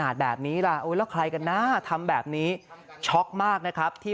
อายุแค่นี้ยังกล้าทำถึงขนาดนี้ได้